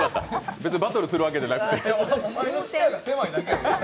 別にバトルするわけじゃなくて。